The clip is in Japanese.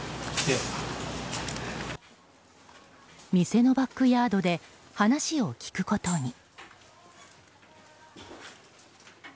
店のバックヤードで話を聞くことに。